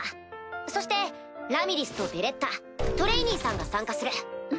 そしてラミリスとベレッタトレイニーさんが参加する。